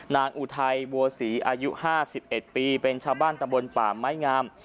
นางอุทัยบัวศรีอายุห้าสิบเอ็ดปีเป็นชาวบ้านตำบลป่ามไม้งาม